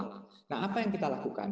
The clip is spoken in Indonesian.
nah apa yang kita lakukan